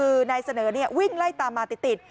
คือนายเสนอวิ่งไล่ตามมาติด